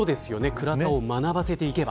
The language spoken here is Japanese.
倉田を学ばせていけば